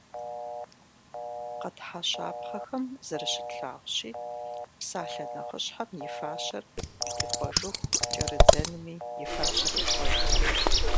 Къэтхьа щапхъэхэм зэрыщытлъагъущи, псалъэ нэхъыщхьэм и фащэр ихъуэжыху кӏэрыдзэнми и фащэр ехъуэж.